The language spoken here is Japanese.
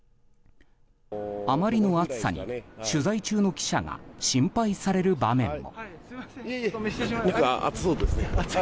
あまりの暑さに取材中の記者が心配される場面も。